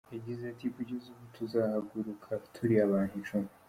Yagize ati “Kugeza ubu tuzahaguruka turi abantu icumi.